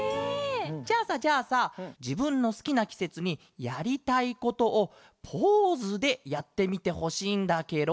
じゃあさじゃあさじぶんのすきなきせつにやりたいことをポーズでやってみてほしいんだケロ。